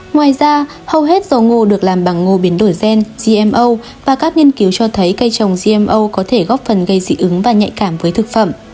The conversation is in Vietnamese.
ngoài ra hầu hết dầu ngô được làm bằng ngô biến đổi gen gmo và các nghiên cứu cho thấy cây trồng gmo có thể góp phần gây dị ứng và nhạy cảm với thực phẩm